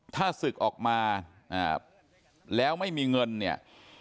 ถ้าศึกออกมาแล้วไม่มีเงินเนี่ย